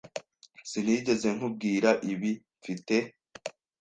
Sinigeze nkubwira ibi, mfite?